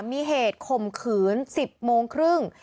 มีเหตุข่มขืน๑๐โมงครึ่ง